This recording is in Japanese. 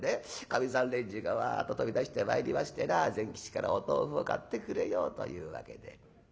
かみさん連中がわっと飛び出してまいりましてな善吉からお豆腐を買ってくれようというわけで。